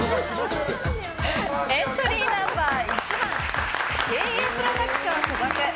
エントリーナンバー１番芸映プロダクション所属